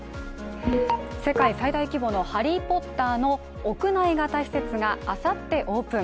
世界最大規模の「ハリー・ポッター」の屋内型施設があさってオープン。